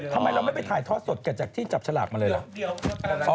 ทำไมเราไม่ไปถ่ายทอดสดกันจากที่จับฉลากมาเลยเหรอ